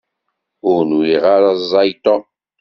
Ur nwiɣ ara ẓẓay Tom.